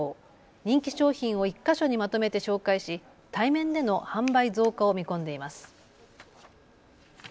人気商品を１か所にまとめて紹介し対面での販売増加を見込んでいます。